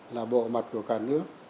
là bộ mặt của cả nước